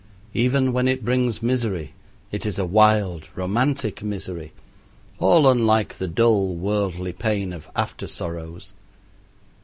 Even when it brings misery it is a wild, romantic misery, all unlike the dull, worldly pain of after sorrows.